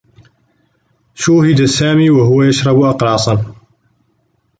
شوهِد سامي و هو يشرب أقراصا.